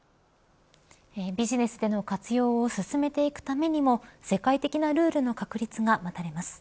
ビジネスでの活用を進めていくためにも世界的なルールの確立が待たれます。